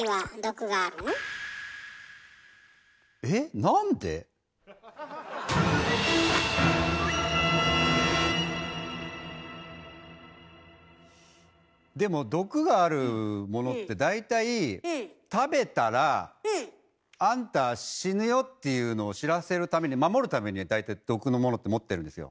えなんで⁉でも毒があるものって大体「食べたらあんた死ぬよ」っていうのを知らせるために守るために大体毒のものって持ってるんですよ。